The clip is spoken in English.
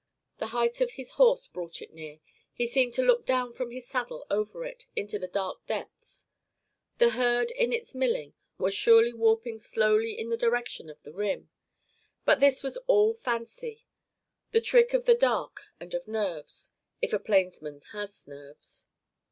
The height of his horse brought it near he seemed to look down from his saddle over it, into its dark depths. The herd in its milling was surely warping slowly in the direction of the rim. But this was all fancy, the trick of the dark and of nerves if a plainsman has nerves.